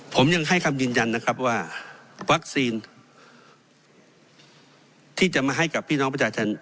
ผมยังให้คำยืนยันนะครับว่าวัคซีนที่จะมาให้กับพี่น้องประชาชน